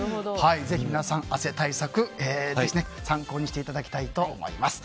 ぜひ皆さん汗対策参考にしていただきたいと思います。